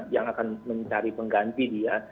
yang akan mencari pengganti dia